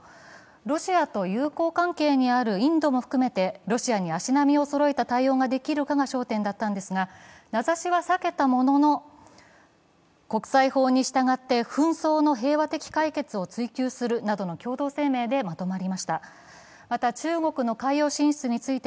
ロシアと友好関係にあるインドも含めて、ロシアに足並みをそろえた対応ができるかが焦点だったのですが名指しは避けたものの、国際法に従って紛争の平和的解決を追求するなどの共同声明でまとまりました。